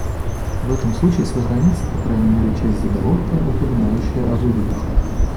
В этом случае сохранится, по крайней мере, часть заголовка, упоминающая о выводах.